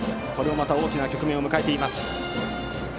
大きな局面を迎えています。